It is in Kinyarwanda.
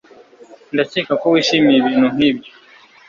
Ndakeka ko wishimiye ibintu nkibyo